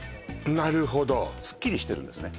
なるほどすっきりしてるんですね